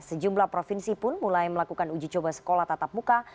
sejumlah provinsi pun mulai melakukan uji coba sekolah tatap muka